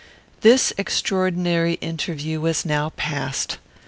This extraordinary interview was now past.